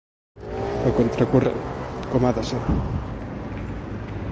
A contracorrent, com ha de ser.